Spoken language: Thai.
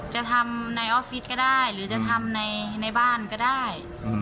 จะทำในออฟฟิศก็ได้หรือจะทำในบ้านก็ได้